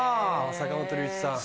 坂本龍一さん。